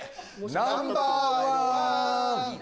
ナンバーワン。